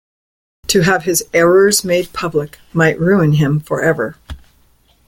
To have his errors made public might ruin him for ever.